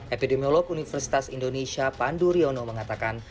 epidemiolog universitas indonesia pandu riono mengatakan